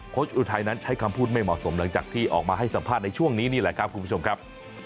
อุทัยนั้นใช้คำพูดไม่เหมาะสมหลังจากที่ออกมาให้สัมภาษณ์ในช่วงนี้นี่แหละครับคุณผู้ชมครับ